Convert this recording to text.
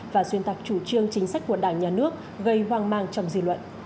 và xuyên tạc chủ trương chính sách của đảng nhà nước gây hoang mang trong dư luận